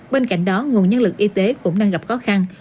bên cạnh đó nguồn nhân lực y tế cũng đang gặp khó khăn